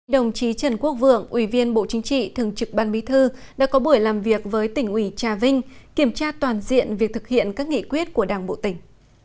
đồng chí trần quốc vượng ủy viên bộ chính trị thường trực ban bí thư đã có buổi làm việc với tỉnh ủy trà vinh kiểm tra toàn diện việc thực hiện các nghị quyết của đảng bộ tỉnh